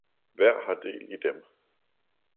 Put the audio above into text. Hver har del i dem!